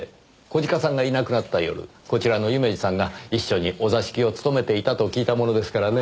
小鹿さんがいなくなった夜こちらの夢路さんが一緒にお座敷を務めていたと聞いたものですからね。